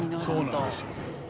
そうなんですよ。